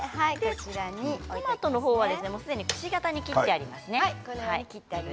トマトはすでにくし形に切ってありますね。